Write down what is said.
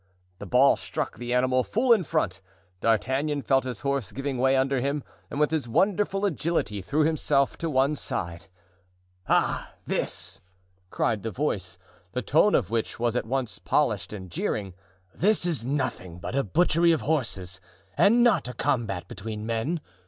The ball struck the animal full in front. D'Artagnan felt his horse giving way under him and with his wonderful agility threw himself to one side. "Ah! this," cried the voice, the tone of which was at once polished and jeering, "this is nothing but a butchery of horses and not a combat between men.